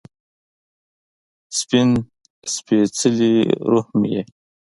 سپین سپيڅلې روح مې یې